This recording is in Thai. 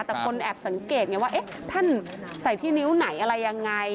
แต่คนแอบสังเกตไงว่าเอ๊ะท่านใส่ที่นิ้วไหนอะไรยังไง